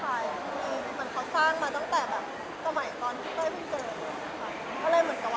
เขาสร้างมาตั้งแต่สมัยตอนที่ได้ที่เจอ